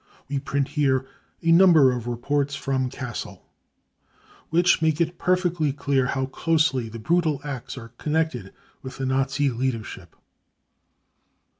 We print here a number of reports from CJiassel, which make it perfectly clear how closely the brutal acts are connected with the Nazi leadership.